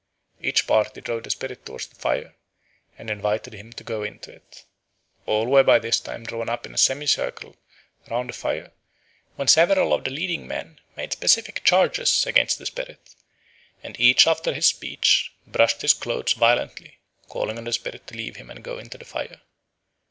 Each party drove the spirit towards the fire and invited him to go into it. All were by this time drawn up in a semicircle round the fire, when several of the leading men made specific charges against the spirit; and each after his speech brushed his clothes violently, calling on the spirit to leave him and go into the fire.